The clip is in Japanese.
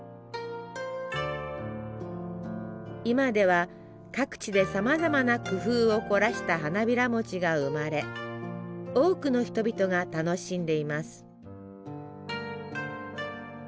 今では各地でさまざまな工夫を凝らした花びらもちが生まれ多くの人々が楽しんでいます。